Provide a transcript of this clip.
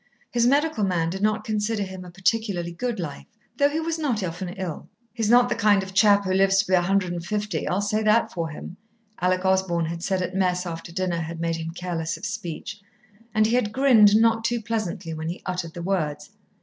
His medical man did not consider him a particularly good life, though he was not often ill. "He's not the kind of chap who lives to be a hundred and fifty. I'll say that for him," Alec Osborn had said at mess after dinner had made him careless of speech, and he had grinned not too pleasantly when he uttered the words.